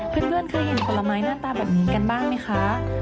เพื่อนเคยเห็นผลไม้หน้าตาแบบนี้กันบ้างไหมคะ